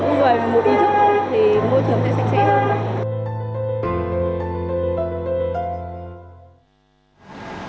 nhưng mà một ý thức thì môi trường sẽ sạch sẽ hơn